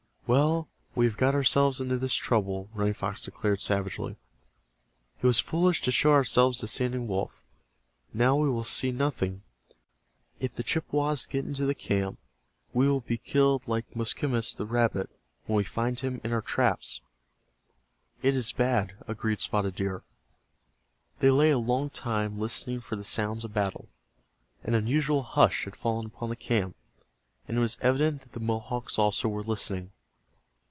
"Well, we have got ourselves into this trouble," Running Fox declared, savagely. "It was foolish to show ourselves to Standing Wolf. Now we will see nothing. If the Chippewas get into the camp we will be killed like Moskimus, the rabbit, when we find him in our traps." "It is bad," agreed Spotted Deer. They lay a long time listening for the sounds of battle. An unusual hush had fallen upon the camp, and it was evident that the Mohawks also were listening.